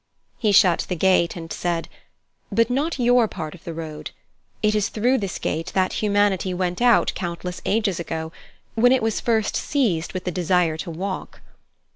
He shut the gate and said: "But not your part of the road. It is through this gate that humanity went out countless ages ago, when it was first seized with the desire to walk."